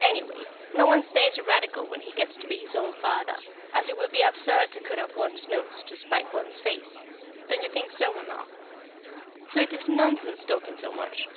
Anyway, no one stays a Radical when he gets to be his own father, as it would be absurd to cut off one's nose to spite one's face don't you think so, Mamma? So it is nonsense talking so much.